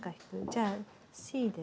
じゃあＣで。